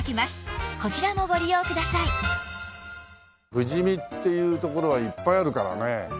「富士見」っていう所はいっぱいあるからね。